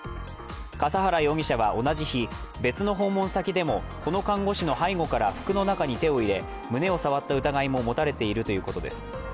笠原容疑者は同じ日、別の訪問先でもこの看護師の背後から服の中に手を入れ胸を触った疑いが持たれているということです